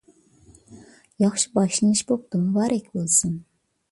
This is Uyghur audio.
ياخشى باشلىنىش بوپتۇ، مۇبارەك بولسۇن.